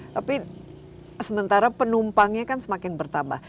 tapi sementara penumpangnya kan semakin bertambah